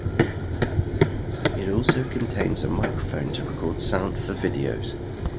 It also contains a microphone to record sound for videos.